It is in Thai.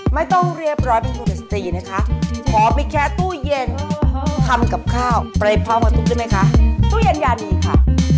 ไม่ต้องเรียบร้อยเป็นภูมิสตรีนะคะขอมีแค่ตู้เย็นคำกับข้าวไปพร้อมกับตู้ใช่ไหมคะตู้เย็นอย่างนี้ค่ะ